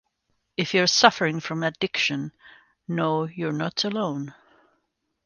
If you’re suffering from addiction, know you are not alone.